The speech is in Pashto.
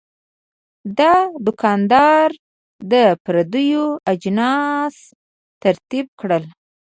دا دوکاندار د پیرود اجناس ترتیب کړل.